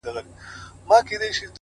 زما خو زړه دی زما ځان دی څه پردی نه دی _